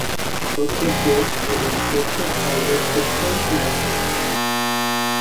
প্রত্যেক দেশ এবং প্রত্যেক ধর্মের ক্ষেত্রেই ইহা সত্য।